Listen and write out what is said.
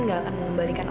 gak mau takut